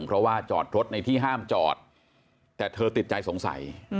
เพราะว่าจอดรถในที่ห้ามจอดแต่เธอติดใจสงสัย